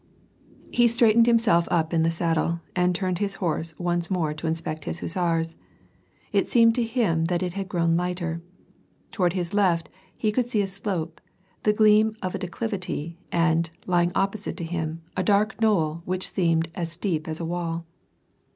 He straightened himself up in the saddle, and turned his horse, once more to inspect his hussars. It seemed to him that it had grown lighter. Toward his left, he could see a slope, the gleam of a declivity, and, lying opposite to him, a dark knoll which seemed as steep as a wall.